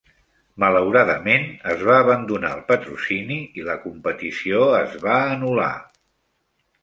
Malauradament, es va abandonar el patrocini i la competició va anul·lar.